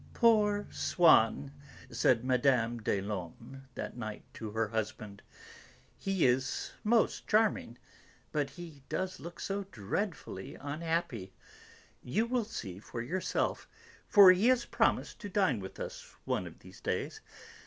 "Poor Swann," said Mme. des Laumes that night to her husband; "he is always charming, but he does look so dreadfully unhappy. You will see for yourself, for he has promised to dine with us one of these days.